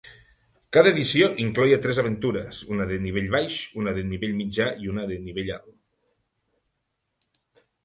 Cada edició incloïa tres aventures, una de nivell baix, una de nivell mitjà i una de nivell alt.